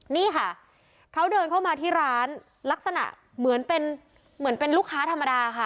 นี่ค่ะเขาเดินเข้ามาที่ร้านลักษณะเหมือนเป็นเหมือนเป็นลูกค้าธรรมดาค่ะ